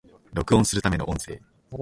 録音するための音声